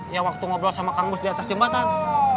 ya waktu ngobrol sama kang bus di atas jembatan